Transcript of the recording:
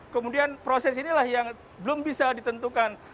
kemudian proses inilah yang belum bisa ditentukan